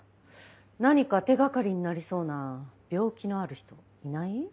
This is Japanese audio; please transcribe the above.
何か手掛かりになりそうな病気のある人いない？